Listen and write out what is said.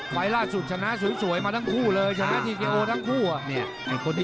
ล่าสุดชนะสวยมาทั้งคู่เลยชนะทีโอทั้งคู่